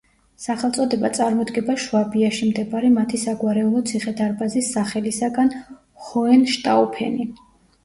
სახელწოდება წარმოდგება შვაბიაში მდებარე მათი საგვარეულო ციხე-დარბაზის სახელისაგან „ჰოენშტაუფენი“.